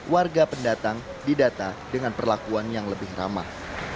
warga pendatang didata dengan perlakuan yang lebih ramah